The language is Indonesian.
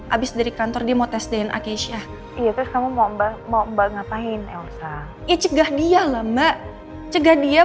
habis dari kantor demo tes dna keisha itu sama bambang mengapain elsa ikhlas dia lama cegah dia